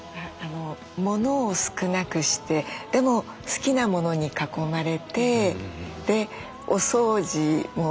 物を少なくしてでも好きな物に囲まれてでお掃除もきれいにできて。